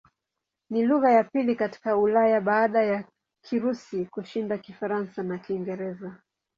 Ni lugha ya pili katika Ulaya baada ya Kirusi kushinda Kifaransa na Kiingereza.